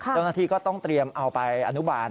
เจ้าหน้าที่ก็ต้องเตรียมเอาไปอนุบาล